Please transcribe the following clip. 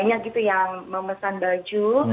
banyak gitu yang memesan baju